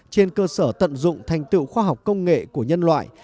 trên cơ sở tận dụng thành tựu khoa học công nghệ của nhân loại